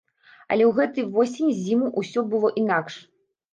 Але ў гэтыя восень-зіму ўсё было інакш.